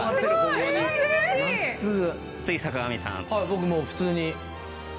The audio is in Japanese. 僕もう普通に。